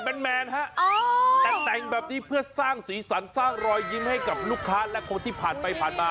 แมนฮะแต่แต่งแบบนี้เพื่อสร้างสีสันสร้างรอยยิ้มให้กับลูกค้าและคนที่ผ่านไปผ่านมา